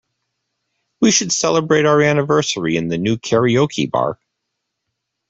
We should celebrate our anniversary in the new karaoke bar.